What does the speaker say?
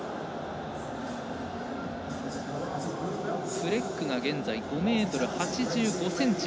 フレックが現在５ｍ８５ｃｍ。